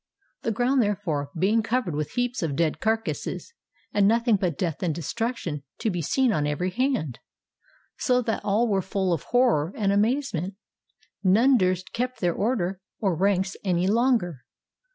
The ground therefore being covered with heaps of dead carcasses, and nothing but death and destruction to be seen on every hand, so that all were full of horror and amazement, none durst keep their order or ranks any 500 SEMIRAMIS'S MAKE BELIEVE ELEPHANTS longer.